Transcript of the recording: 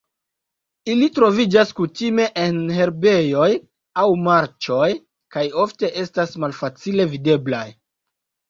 Ili troviĝas kutime en herbejoj aŭ marĉoj kaj ofte estas malfacile videblaj.